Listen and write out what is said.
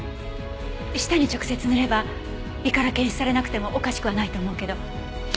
舌に直接塗れば胃から検出されなくてもおかしくはないと思うけど。